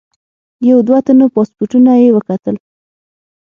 یو دوه تنو پاسپورټونه یې وکتل.